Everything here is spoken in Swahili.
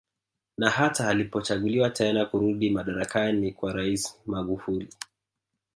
Na hata alipochaguliwa tena kurudi madarakani kwa rais Mgufuli